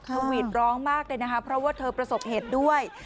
หวีดร้องมากเลยนะคะเพราะว่าเธอประสบเหตุด้วย